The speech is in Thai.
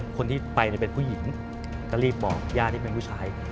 คนที่ไปเป็นผู้หญิงก็รีบบอกญาติที่เป็นผู้ชาย